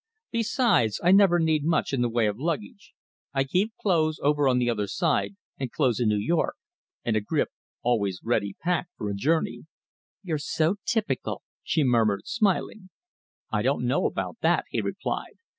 Besides, I never need much in the way of luggage. I keep clothes over on the other side and clothes in New York, and a grip always ready packed for a journey." "You're so typical," she murmured, smiling. "I don't know about that," he replied.